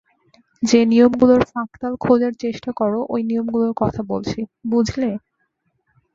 যে নিয়মগুলোর ফাঁকতাল খোঁজার চেষ্টা করো, ঐ নিয়মগুলোর কথা বলছি, বুঝলে?